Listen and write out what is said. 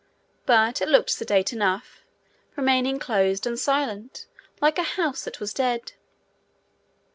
But it looked sedate enough, remaining closed and silent, like a house that was dead.